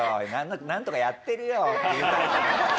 なんとかやってるよ」って言うタイプだ。